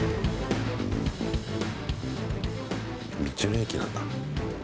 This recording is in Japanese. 道の駅なんだ。